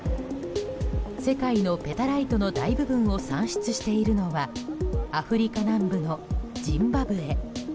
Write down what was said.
世界のペタライトの大部分を産出しているのはアフリカ南部のジンバブエ。